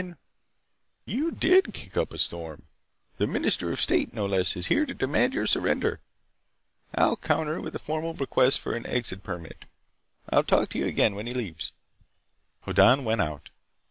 He turned to Hoddan. "You did kick up a storm! The Minister of State, no less, is here to demand your surrender. I'll counter with a formal request for an exit permit. I'll talk to you again when he leaves." Hoddan went out.